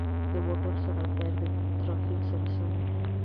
د موټر سرعت باید د ترافیک سره سم وي.